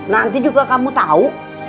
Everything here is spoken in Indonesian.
nanti juga kamu tau